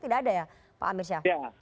tidak ada ya pak amir syah